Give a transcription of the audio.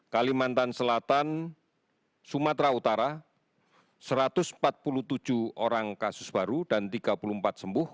kalimantan selatan sumatera utara satu ratus empat puluh tujuh orang kasus baru dan tiga puluh empat sembuh